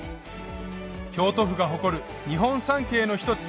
京都府が誇る日本三景の一つ